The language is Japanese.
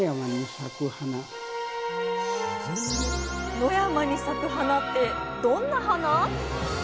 野山に咲く花ってどんな花？